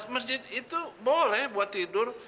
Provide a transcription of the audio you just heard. masjid itu boleh buat tidur